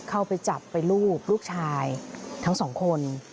เข้าไปจับไปรูปลูกชายทั้งสองคน